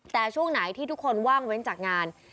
แต่ช่วงไหนที่ทุกคนว่างเว้นจากงาน